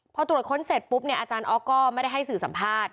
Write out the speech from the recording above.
พอตรวจค้นเสร็จปุ๊บเนี่ยอาจารย์ออฟก็ไม่ได้ให้สื่อสัมภาษณ์